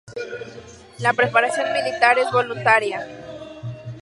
La preparación militar es voluntaria.